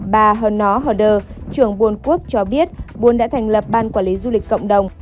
bà herno hờ đơ trưởng buôn quốc cho biết buôn đã thành lập ban quản lý du lịch cộng đồng